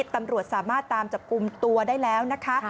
ตำรวจสามารถตามจับกลุ่มตัวได้แล้วนะคะ